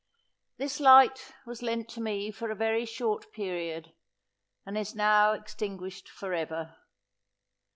This light was lent to me for a very short period, and is now extinguished for ever!